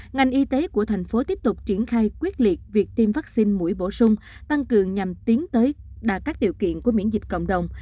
ngành y tế của thành phố tiếp tục triển khai quyết liệt việc tiêm vaccine mũi bổ sung tăng cường nhằm tiến tới đạt các điều kiện của miễn dịch cộng đồng